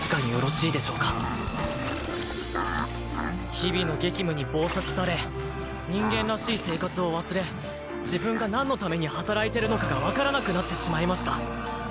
日々の激務に忙殺され人間らしい生活を忘れ自分がなんのために働いてるのかが分からなくなってしまいました。